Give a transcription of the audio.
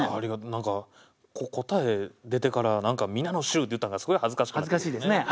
何か答え出てから何か「皆の衆」って言ったんがすごい恥ずかしかったというね。